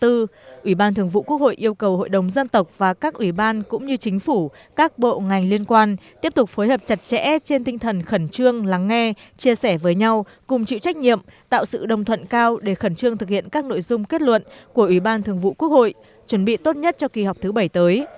ủy ban thường vụ quốc hội yêu cầu hội đồng dân tộc và các ủy ban cũng như chính phủ các bộ ngành liên quan tiếp tục phối hợp chặt chẽ trên tinh thần khẩn trương lắng nghe chia sẻ với nhau cùng chịu trách nhiệm tạo sự đồng thuận cao để khẩn trương thực hiện các nội dung kết luận của ủy ban thường vụ quốc hội chuẩn bị tốt nhất cho kỳ họp thứ bảy tới